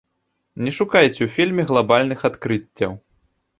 Не шукайце ў фільме глабальных адкрыццяў.